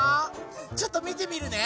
ちょっとみてみるね！